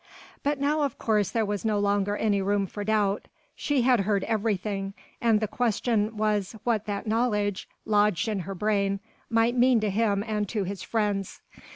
But now of course there was no longer any room for doubt. She had heard everything and the question was what that knowledge, lodged in her brain, might mean to him and to his friends.